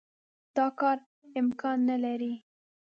دا کار امکان نه لري.